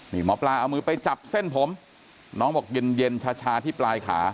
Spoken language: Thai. นี่หมอปลาเอามือไปจับเส้นผมน้องบอกเย็นเย็นชาที่ปลายขา